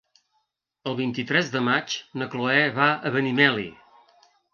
El vint-i-tres de maig na Chloé va a Benimeli.